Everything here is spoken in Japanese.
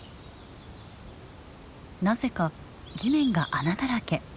なぜか地面が穴だらけ。